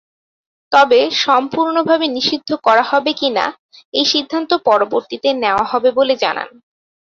তবে সম্পুর্ণভাবে নিষিদ্ধ করা হবে কিনা, এই সিদ্ধান্ত পরবর্তীতে নেওয়া হবে বলে জানান।